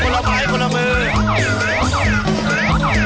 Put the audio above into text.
โอ้โหช่วยกันคนละไมค์คนละมือ